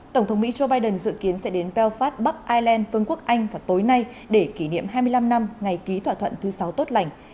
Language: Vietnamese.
tổng thống mỹ joe biden dự kiến sẽ đến pelophat bắc ireland vương quốc anh vào tối nay để kỷ niệm hai mươi năm năm ngày ký thỏa thuận thứ sáu tốt lành